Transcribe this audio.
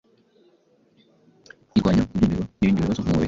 Irwanya kubyimbirwa n’ibindi bibazo mu mubiri